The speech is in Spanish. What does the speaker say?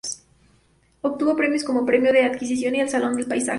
Obtuvo premios como Premio de Adquisición y el Salón del Paisaje.